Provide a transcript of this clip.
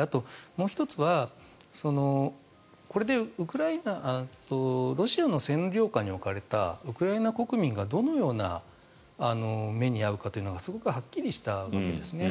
あと、もう１つはこれでロシアの占領下に置かれたウクライナ国民がどのような目に遭うかというのがすごくはっきりしたわけですね。